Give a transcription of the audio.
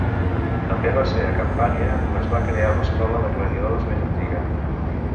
També va ser a Campània on es va crear l'escola de gladiadors més antiga.